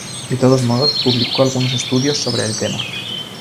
De todos modos, publicó algunos estudios sobre el tema.